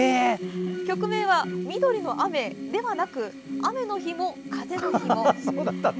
曲名は「緑の雨」ではなく「雨の日も風の日も」。